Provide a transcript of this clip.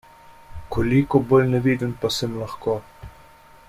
Koliko bolj neviden pa sem lahko?